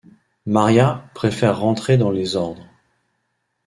Maria préfère rentrer dans les ordres.